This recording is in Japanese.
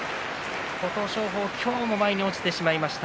琴勝峰、今日も前に落ちてしまいました。